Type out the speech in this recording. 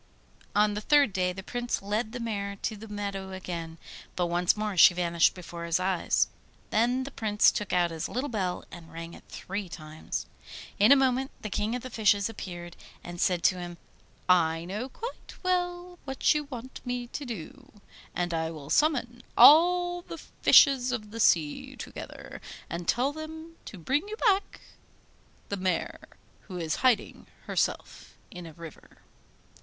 On the third day the Prince led the mare to the meadow again; but once more she vanished before his eyes. Then the Prince took out his little bell and rang it three times. In a moment the King of the Fishes appeared, and said to him: 'I know quite well what you want me to do, and I will summon all the fishes of the sea together, and tell them to bring you back the mare, who is hiding herself in a river.